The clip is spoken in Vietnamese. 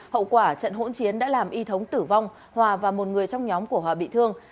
hậu quả trận hỗn chiến đã làm y thống tử vong hòa và một người trong nhóm của hòa bị thương